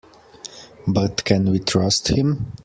But can we trust him?